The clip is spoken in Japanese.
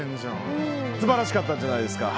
すばらしかったんじゃないですか。